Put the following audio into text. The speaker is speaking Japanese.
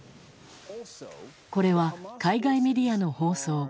これは、海外メディアの放送。